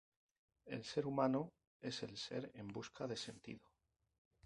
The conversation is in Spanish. El ser humano es el ser en busca de sentido.